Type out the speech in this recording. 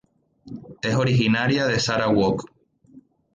Es originaria de Sarawak.